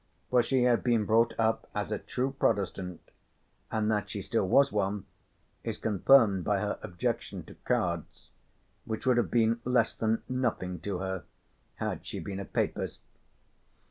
For she had been brought up as a true Protestant, and that she still was one is confirmed by her objection to cards, which would have been less than nothing to her had she been a papist.